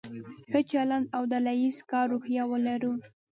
ښه چلند او د ډله ایز کار روحیه ولرو.